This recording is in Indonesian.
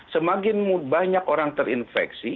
semakin banyak orang terinfeksi